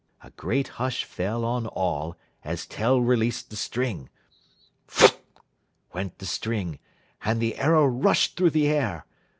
A great hush fell on all as Tell released the string. "Phut!" went the string, and the arrow rushed through the air.